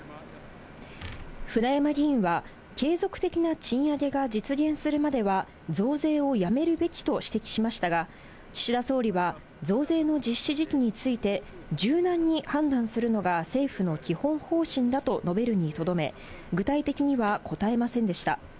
舟山議員は、継続的な賃上げが実現するまでは増税をやめるべきと指摘しましたが、岸田総理は、増税の実施時期について、柔軟に判断するのが政府の基本方針だと述べるにとどめ、具体的には答えませんでした。